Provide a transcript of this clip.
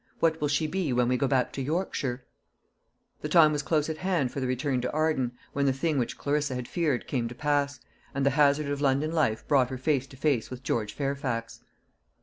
"What will she be when we go back to Yorkshire?" The time was close at hand for the return to Arden, when the thing which Clarissa had feared came to pass, and the hazard of London life brought her face to face with George Fairfax.